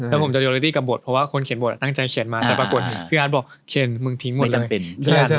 แล้วผมจะโรโยติกับบทเพราะว่าคนเขียนบทนั่งใจเขียนมาแต่ปรากฏพี่บาสบอกเขียนมึงทิ้งหมดเลย